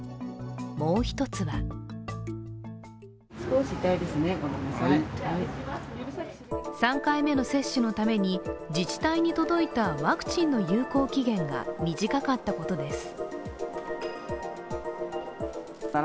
もう一つは３回目の接種のために自治体に届いたワクチンの有効期限が短かったことです。